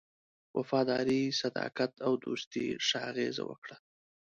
وفاداري، صداقت او دوستی ښه اغېزه وکړه.